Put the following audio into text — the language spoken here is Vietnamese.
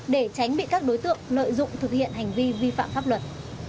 để tránh bị các đối tượng lợi dụng thực hiện hành vi vi phạm pháp luật